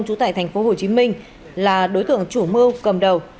trú tại tp hcm là đối tượng chủ mưu cầm đầu